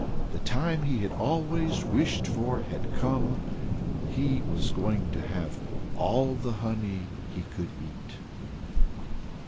The time he had always wished for had come. He was going to have all the honey he could eat.